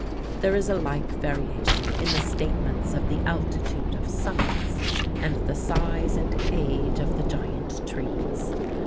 There is a like variation in the statements of the altitude of summits, and the size and age of the giant trees.